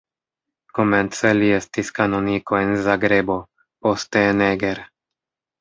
Komence li estis kanoniko en Zagrebo, poste en Eger.